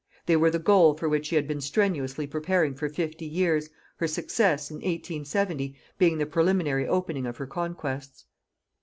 They were the goal for which she had been strenuously preparing for fifty years, her success, in 1870, being the preliminary opening of her conquests.